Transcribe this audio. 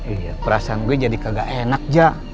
iya perasaan gua jadi kagak enak ja